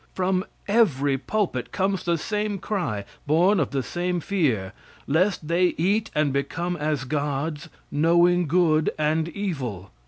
From every pulpit comes the same cry, born of the same fear "Lest they eat and become as gods, knowing good and evil."